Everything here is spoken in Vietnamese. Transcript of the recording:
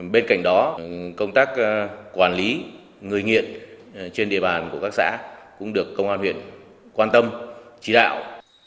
bên cạnh đó công tác quản lý người nghiện trên địa bàn của các xã cũng được công an huyện quan tâm chỉ đạo